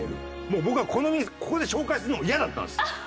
もう僕はこの店ここで紹介するのも嫌だったんです。